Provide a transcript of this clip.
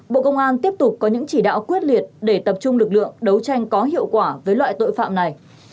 bộ công an tiếp tục có những chỉ đạo quyết liệt để tập trung lực lượng đấu tranh có hiệu quả với loại tội phạm này